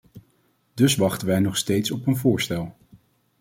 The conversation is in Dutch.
Dus wachten wij nu nog steeds op een voorstel.